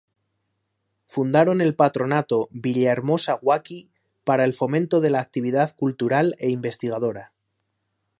Fundaron el Patronato Villahermosa-Guaqui para el fomento de la actividad cultural e investigadora.